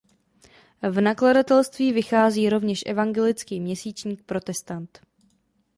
V nakladatelství vychází rovněž evangelický měsíčník "Protestant".